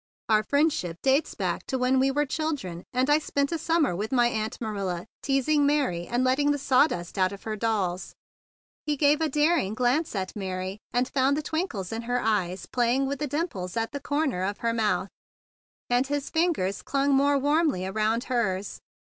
"Our friendship dates back to when we were children and I spent a summer with my Aunt Marilla teasing Mary, and letting the sawdust out of her dolls." He gave a daring glance at Mary, and found the twinkles in her eyes playing with the dimples at the cor¬ ner of her mouth; and his fingers clung more warmly around hers.